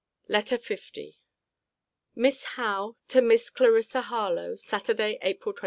LETTER L MISS HOWE, TO MISS CLARISSA HARLOWE SATURDAY, APRIL 22.